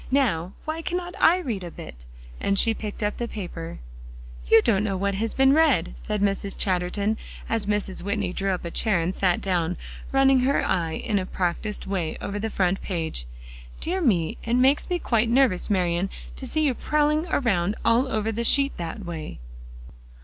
Now, why cannot I read a bit?" and she picked up the paper. "You don't know what has been read," said Mrs. Chatterton as Mrs. Whitney drew up a chair and sat down, running her eye in a practiced way over the front page. "Dear me, it makes me quite nervous, Marian, to see you prowling around all over the sheet that way."